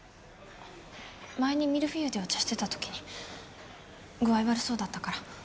前にミルフィーユでお茶してたときに具合悪そうだったから。